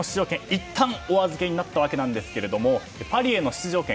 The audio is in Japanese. いったんお預けになったわけですがパリへの出場権